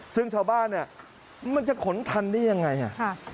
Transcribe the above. ซึ่งชาวบ้านเนี่ยมันจะขนทันได้ยังไงอ่ะ